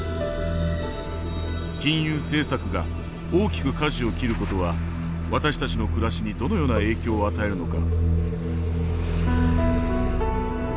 金融政策が大きく舵を切ることは私たちの暮らしにどのような影響を与えるのか。